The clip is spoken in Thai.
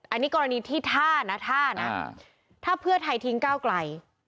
อันนี้กรณีที่ท่านะท่านะถ้าเพื่อไทยทิ้งก้าวไกล